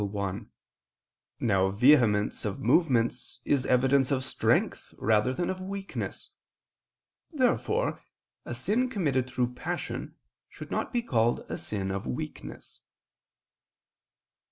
Now vehemence of movements is evidence of strength rather than of weakness. Therefore a sin committed through passion, should not be called a sin of weakness.